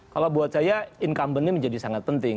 kalau buat saya incumbent ini menjadi sangat penting